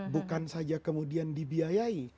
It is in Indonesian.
bukan saja kemudian dibiayai